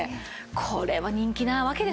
これは人気なわけですね。